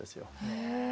へえ。